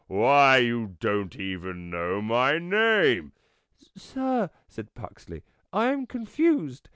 Why, you don't even know my name!" " Sir," said Puxley, " I am confused.